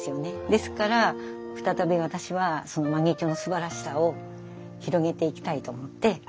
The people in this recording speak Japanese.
ですからふたたび私はその万華鏡のすばらしさを広げていきたいと思って活動してます。